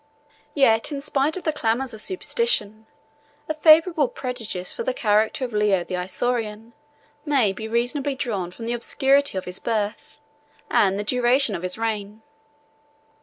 Yet in spite of the clamors of superstition, a favorable prejudice for the character of Leo the Isaurian may be reasonably drawn from the obscurity of his birth, and the duration of his reign.